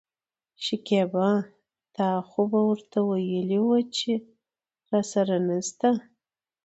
شکيبا : تا خو به ورته وويلي وو چې راسره نشته.